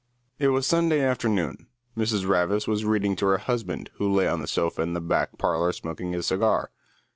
It was Sunday afternoon. Mrs. Ravis was reading to her husband, who lay on the sofa in the back parlour smoking a cigar.